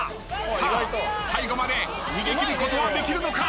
［さあ最後まで逃げ切ることはできるのか？］